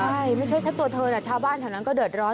ใช่ไม่ใช่แค่ตัวเธอนะชาวบ้านแถวนั้นก็เดือดร้อน